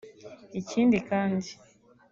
Ikindi kandi